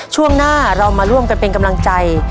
ช่วงหน้าเรามาร่วมกันเป็นกำลังใจ